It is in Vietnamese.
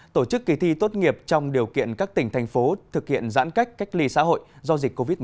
tổ chức kỳ thi tốt nghiệp trong điều kiện các tỉnh thành phố thực hiện giãn cách cách ly xã hội do dịch covid một mươi